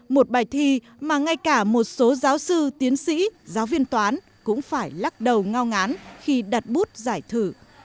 một bài thi mà ngay cả một số giáo sư tiến sĩ giáo viên toán cũng phải lắc đầu ngo ngán khi đặt bút giải thử